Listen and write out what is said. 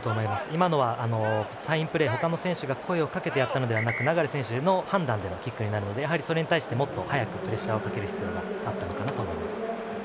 今のはサインプレー、他の選手が声をかけてやったのではなく流選手の判断でのキックになるのでそれに対してもっとプレッシャーをかける必要があったと思います。